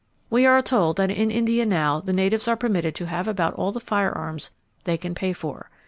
We are told that in India now the natives are permitted to have about all the firearms they can pay for.